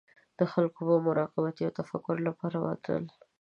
خلک به د مراقبې او تفکر لپاره ورتلل.